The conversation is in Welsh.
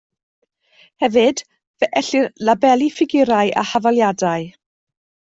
Hefyd fe ellir labelu ffigyrau a hafaliadau